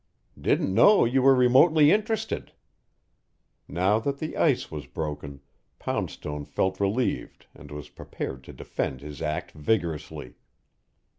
"Didn't know you were remotely interested." Now that the ice was broken, Poundstone felt relieved and was prepared to defend his act vigorously.